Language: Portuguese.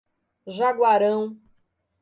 Jaguarão